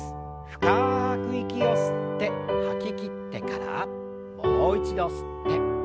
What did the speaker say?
深く息を吸って吐ききってからもう一度吸って吐きましょう。